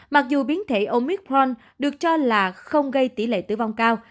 mặc dù biến thể omicron được cho là không gây tỷ lệ tử vong cao